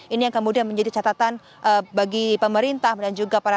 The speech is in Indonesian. ini yang kemudian menjadi catatan bagi pemerintah dan juga para